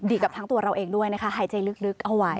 กับทั้งตัวเราเองด้วยนะคะหายใจลึกเอาไว้